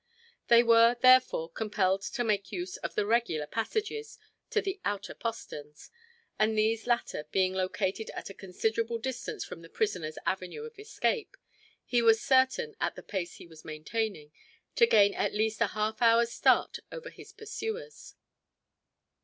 They were, therefore, compelled to make use of the regular passages to the outer posterns and these latter being located at a considerable distance from the prisoner's avenue of escape, he was certain, at the pace he was maintaining, to gain at least a half hour's start over his pursuers.